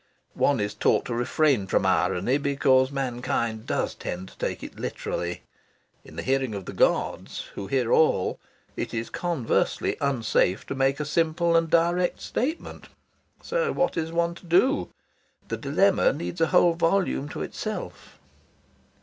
One is taught to refrain from irony, because mankind does tend to take it literally. In the hearing of the gods, who hear all, it is conversely unsafe to make a simple and direct statement. So what is one to do? The dilemma needs a whole volume to itself.